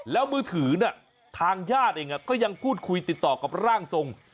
แล้วมือถือทางญาติเองก็ยังพูดคุยติดต่อกับร่างทรง